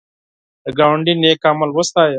د ګاونډي نېک عمل وستایه